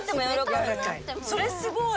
それすごい。